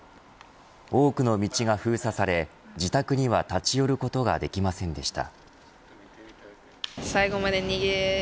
多くの道が封鎖され自宅には立ち寄ることができませんでした。